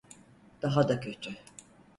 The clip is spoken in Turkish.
Daha da kötü.